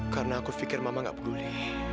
karena aku pikir mama gak peduli